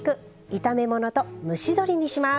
炒め物と蒸し鶏にします。